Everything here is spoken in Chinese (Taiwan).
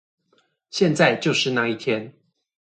現在就是那一天